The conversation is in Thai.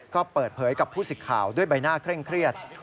ก็เปิดเผยกับผู้สิทธิ์ข่าวด้วยใบหน้าเคร่งเครียด